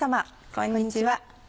こんにちは。